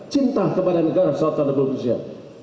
cinta kepada negara selatan republik indonesia